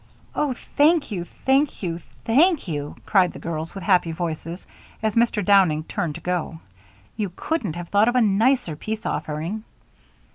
"Oh, thank you, thank you, thank you," cried the girls, with happy voices, as Mr. Downing turned to go; "you couldn't have thought of a nicer peace offering."